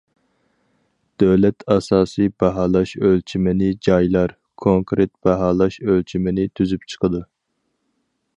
دۆلەت ئاساسىي باھالاش ئۆلچىمىنى، جايلار كونكرېت باھالاش ئۆلچىمىنى تۈزۈپ چىقىدۇ.